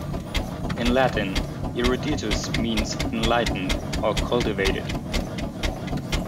In Latin, eruditus means enlightened, or cultivated.